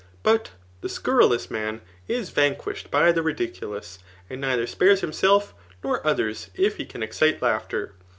But the scurrilous man is vanquished by €be ridiculous, and neither spares himself, nor others, if he 'can exdte laughter.